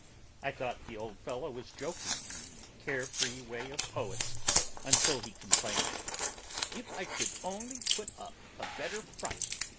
I thought the old fellow was joking in the care free way of poets, until he complained, "If I could only put up a better front!